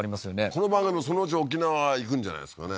この番組もそのうち沖縄行くんじゃないですかね